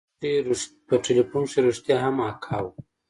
په ټېلفون کښې رښتيا هم اکا و.